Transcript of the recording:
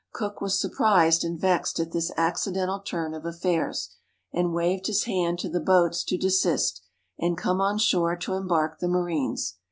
Cook was sur prised and vexed at this accidental turn of affairs, and waved his hand to the boats to desist, and come on shore to embark the marines.